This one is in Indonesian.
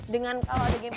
dengan kalo ada gempynya